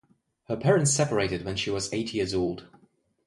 Her parents separated when she was eight years old.